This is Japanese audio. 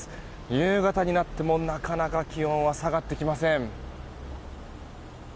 夕方になっても、なかなか気温は下がってきません。